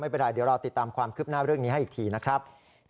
ไม่เป็นไรเดี๋ยวเราติดตามความคืบหน้าเรื่องนี้ให้อีกทีนะครับ